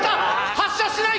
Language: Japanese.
発射しない！